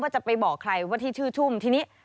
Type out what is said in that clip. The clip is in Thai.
ว่าจะไปบอกใครว่าที่ชื่อที่นี่